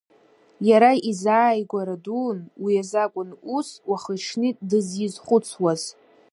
Иара изааигәара дуун, уи азакәын ус уахи-ҽни дызизхәыцуаз.